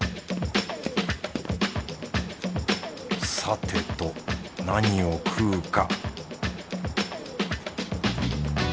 さてと何を食うか